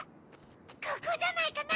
ここじゃないかな？